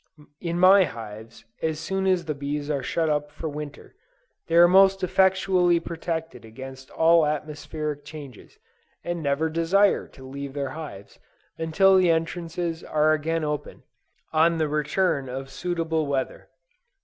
In my hives as soon as the bees are shut up for Winter, they are most effectually protected against all atmospheric changes, and never desire to leave their hives until the entrances are again opened, on the return of suitable weather.